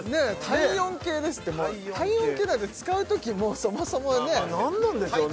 体温計ですって体温計なんて使うときもうそもそもね何なんでしょうね